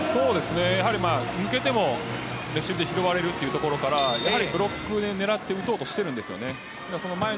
抜けてもレシーブで拾われるということでブロックに狙って打とうとしているんです。